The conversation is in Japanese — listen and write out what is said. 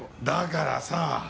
だからさ